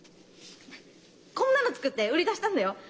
こんなの作って売り出したんだよ。